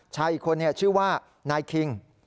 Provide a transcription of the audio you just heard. อีกคนชื่อว่านายคิง